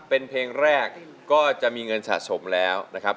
เป็นเพลงแรกก็จะมีเงินสะสมแล้วนะครับ